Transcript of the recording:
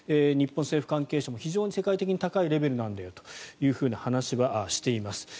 日本政府関係者も非常に世界的に高いレベルなんだよという話はしています。